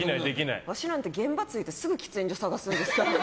わしなんて現場着いてすぐ喫煙所探すんで。